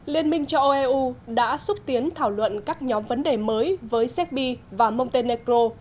liên minh cho eu đã xúc tiến thảo luận các nhóm vấn đề mới với segbi và montenegro